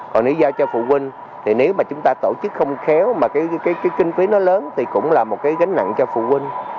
còn nếu giao cho phụ huynh thì nếu mà chúng ta tổ chức không khéo mà cái kinh phí nó lớn thì cũng là một cái gánh nặng cho phụ huynh